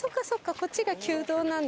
こっちが旧道なんだ。